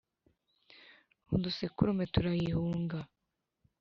Udusekurume turayihunga.